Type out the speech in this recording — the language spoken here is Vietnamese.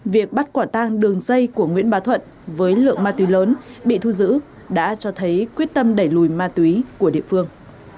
việc bắt quả tang đường dây của nguyễn bà thuận với lượng ma túy lớn bị thu giữ đã cho thấy quyết tâm đẩy lùi ma túy của địa phương